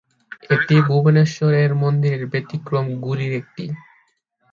এটি ভুবনেশ্বরের মন্দিরের ব্যতিক্রম গুলির একটি।